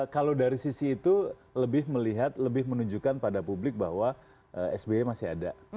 kalau dari sisi itu lebih melihat lebih menunjukkan pada publik bahwa sby masih ada